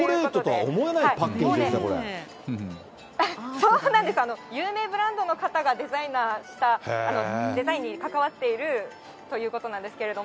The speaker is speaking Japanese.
そうなんですよ、有名ブランドの方がデザイナーした、デザインに関わっているということなんですけれども。